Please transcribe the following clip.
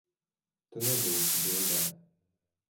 Tu nebūsi bildē.